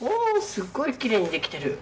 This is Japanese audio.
すっごいきれいにできてる。